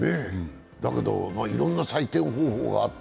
だけどいろんな採点方法があって。